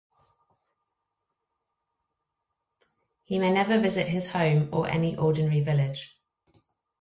He may never visit his home or any ordinary village.